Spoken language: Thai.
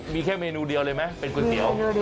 มีแค่เมนูเดียวเลยไหมเป็นก๋วยเตี๋ยว